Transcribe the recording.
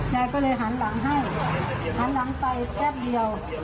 ยายก็เลยหันหลังให้หันหลังไปแป๊บเดียว